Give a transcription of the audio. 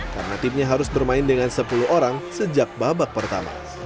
karena timnya harus bermain dengan sepuluh orang sejak babak pertama